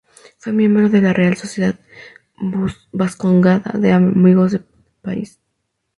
Fue miembro de la Real Sociedad Bascongada de Amigos del País.